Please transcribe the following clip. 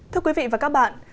thưa quý vị và các bạn